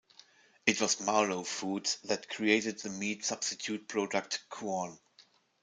It was Marlow Foods that created the meat substitute product Quorn.